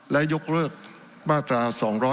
และยกเลิกมาตรา๒๗